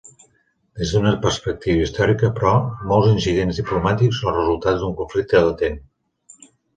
Des d'una perspectiva històrica però, molts incidents diplomàtics són el resultat d'un conflicte latent.